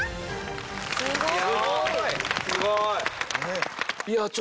すごい！